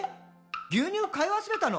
牛乳買い忘れたの？」